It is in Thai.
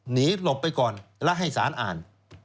หลบไปก่อนแล้วให้สารอ่าน